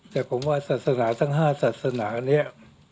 แต่ผมว่าศาสนาทั้ง๕ศาสนาเนี่ย